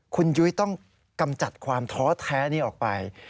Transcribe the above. คุณยุ้ยต้องกำจัดความท้อแท้นี้ออกไป